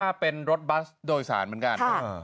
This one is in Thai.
เป็นรถบัสโดยสารเหมือนกัน